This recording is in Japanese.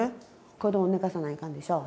子どもを寝かさないかんでしょう。